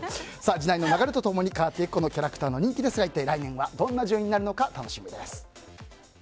時代の流れと共に変わっていくキャラクターの人気ですが一体来年はどんな順位になるのか楽しみです。